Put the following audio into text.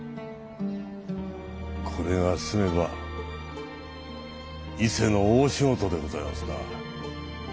これが済めば伊勢の大仕事でございますな。